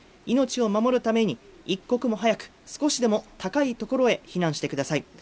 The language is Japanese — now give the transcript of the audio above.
命を守るために、一刻も早く、少しでも高いところへ避難してください。